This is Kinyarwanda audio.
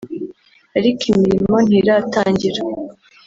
ariko imirimo ntiratangira